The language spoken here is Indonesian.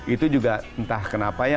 itu juga entah kenapa ya